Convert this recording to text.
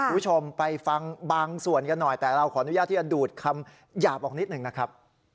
คุณผู้ชมไปฟังบางส่วนกันหน่อยแต่เราขออนุญาตที่จะดูดคำหยาบออกนิดหนึ่งนะครับ